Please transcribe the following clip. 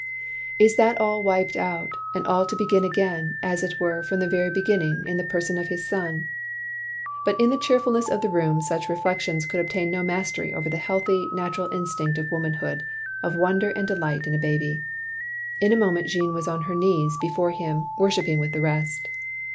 Is that all wiped out — and all to begin again, as it were, from the very beginning, in the person of his son? But in the cheerf tdness of the room such reflec tions could obtain no mastery over the healthy, natural instinct of womanhood,— of wonder and delight in a baby. In a moment Jeanne was on her knees before him, worshipping with the rest.